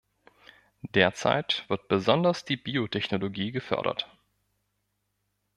Derzeit wird besonders die Biotechnologie gefördert.